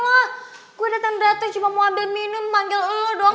aku dateng dateng cuma mau ambil minum manggel lu